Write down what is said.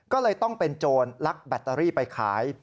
ก็เลยต้องเป็นโจรลักแบตเตอรี่ไปขาย